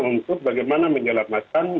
untuk bagaimana menyelamatkan